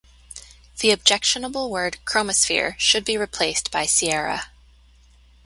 The objectionable word chromosphere should be replaced by sierra.